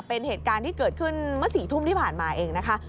เป็นเหตุการณ์ที่เกิดขึ้นเมื่อ๔ทุ่มที่ผ่านมาเองนะคะ